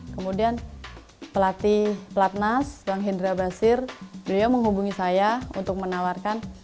kemudian pelatih pelatnas bang hendra basir beliau menghubungi saya untuk menawarkan